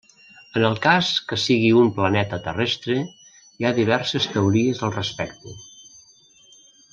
En el cas que sigui un planeta terrestre, hi ha diverses teories al respecte.